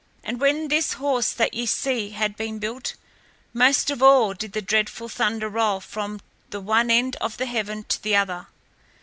And when this horse that ye see had been built, most of all did the dreadful thunder roll from the one end of the heaven to the other.